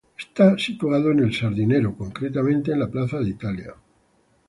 Está ubicado en El Sardinero, concretamente en la plaza de Italia.